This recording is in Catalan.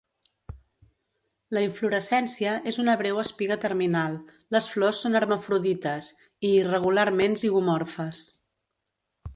La inflorescència és una breu espiga terminal, les flors són hermafrodites i irregularment zigomorfes.